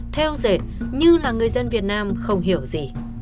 theo dệt như là người dân việt nam không hiểu gì